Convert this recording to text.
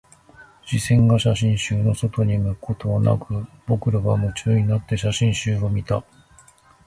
視線が写真集の外に向くことはなく、僕らは夢中になって写真集を見た